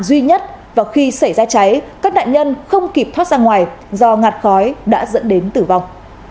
duy nhất và khi xảy ra cháy các nạn nhân không kịp thoát ra ngoài do ngạt khói đã dẫn đến tử vong